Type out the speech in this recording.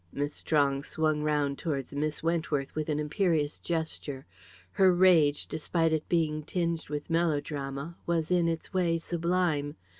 Miss Strong swung round towards Miss Wentworth with an imperious gesture. Her rage, despite it being tinged with melodrama, was in its way sublime.